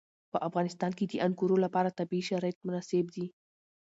په افغانستان کې د انګورو لپاره طبیعي شرایط مناسب دي.